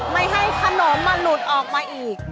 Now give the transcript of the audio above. ไม่ให้ขนมมันหลุดออกมาอีก